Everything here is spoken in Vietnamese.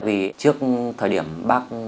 vì trước thời điểm bác